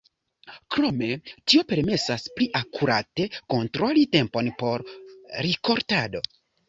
Krome tio permesas pli akurate kontroli tempon por rikoltado.